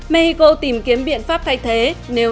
mexico tìm kiếm biện pháp thay thế